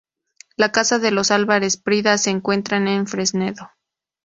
La casa de los Álvarez-Prida se encuentra en Fresnedo.